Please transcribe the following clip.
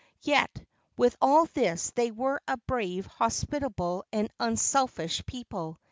Yet, with all this, they were a brave, hospitable and unselfish people.